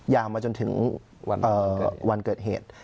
ยาวมาจนถึงวันเกิดเหตุ